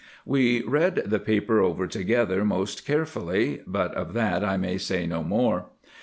We read the paper over together most carefully, but of that I may say no more.